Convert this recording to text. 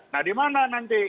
nah di mana nanti